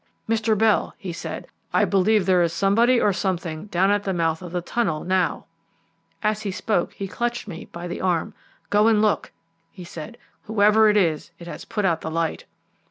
"Mr. Bell," he said, "I believe there is somebody or something down at the mouth of the tunnel now." As he spoke he clutched me by the arm. "Go and look," he said; "whoever it is, it has put out the light."